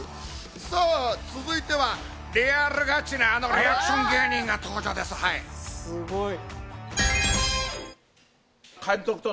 さあ続いては、リアルガチなあのリアクション芸人が登場です、はい。